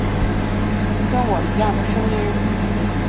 跟我一样的声音